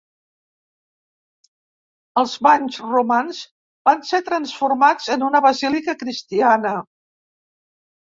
Els banys Romans van ser transformats en una basílica cristiana.